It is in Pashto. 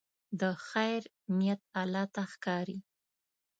د خیر نیت الله ته ښکاري.